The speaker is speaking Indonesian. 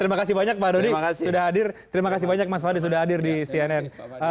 terima kasih banyak pak dodi sudah hadir terima kasih banyak mas fadli sudah hadir di cnn